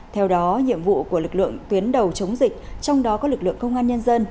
theo đó nhiệm vụ của lực lượng tuyến đầu chống dịch trong đó có lực lượng công an nhân dân